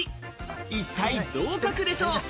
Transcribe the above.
一体どう書くでしょう？